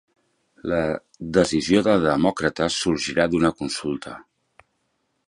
La decisió de Demòcrates sorgirà d'una consulta